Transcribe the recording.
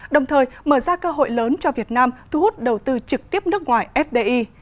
đồng thời mở ra cơ hội lớn cho việt nam thu hút đầu tư trực tiếp nước ngoài fdi